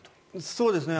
そうですね。